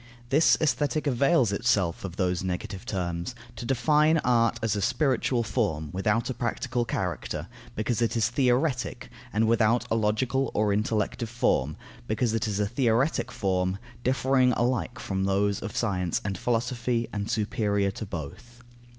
This Aesthetic avails itself of those negative terms, to define art as a spiritual form without a practical character, because it is theoretic, and without a logical or intellective form, because it is a theoretic form, differing alike from those of science and of philosophy, and superior to both.